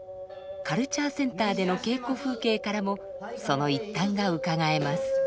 カルチャーセンターでの稽古風景からもその一端がうかがえます。